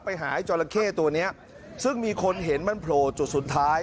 ไปหาไอ้จราเข้ตัวเนี้ยซึ่งมีคนเห็นมันโผล่จุดสุดท้าย